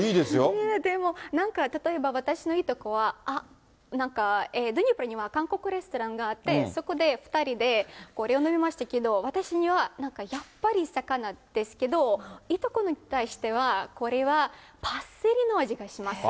でも、なんか例えば、私のいとこは、あっ、なんか、ドニプロには韓国レストランがあって、そこで２人でしましたけど、私にはなんかやっぱり魚ですけど、いとこに対しては、これはパセリの味がします。